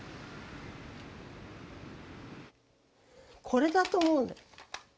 これだと思うの。